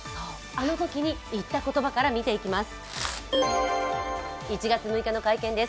あのときにいった言葉から見ていきます。